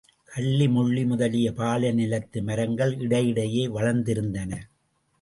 கள்ளி, முள்ளி முதலிய பாலைநிலத்து மரங்கள் இடையிடையே வளர்ந்திருந்தன.